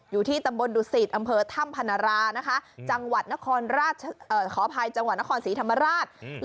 อยู่ที่ตำบลดุศิษฐ์อำเภอถ้ำพนาราจังหวัดนครสีธรรมราช